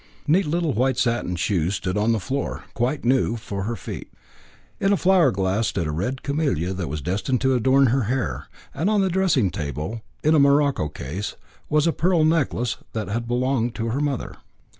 Neat little white satin shoes stood on the floor, quite new, for her feet. In a flower glass stood a red camellia that was destined to adorn her hair, and on the dressing table, in a morocco case, was a pearl necklace that had belonged to her mother.